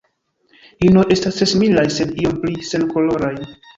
Inoj estas tre similaj sed iom pli senkoloraj.